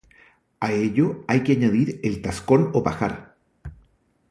A ello hay que añadir el tascón o pajar.